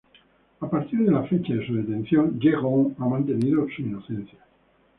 A partir de la fecha de su detención, Ye Gon ha mantenido su inocencia.